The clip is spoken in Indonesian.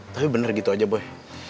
tapi bener gitu aja boy